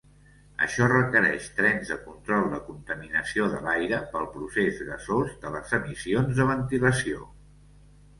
Això requereix trens de control de contaminació de l'aire pel procés gasós de les emissions de ventilació.